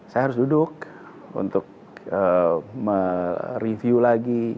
saya harus duduk untuk mereview lagi